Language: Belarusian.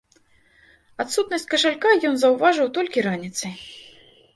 Адсутнасць кашалька ён заўважыў толькі раніцай.